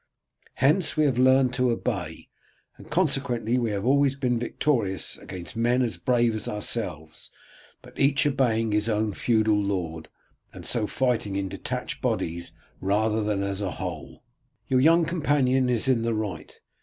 Hence we have learned to obey, and consequently we have always been victorious against men as brave as ourselves, but each obeying his own feudal lord, and so fighting in detached bodies rather than as a whole. Your young companion is in the right.